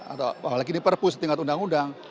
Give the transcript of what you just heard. atau bahwa ini perpus tingkat undang undang